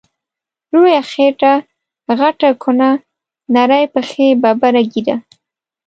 لویه خیټه غټه کونه، نرۍ پښی ببره ږیره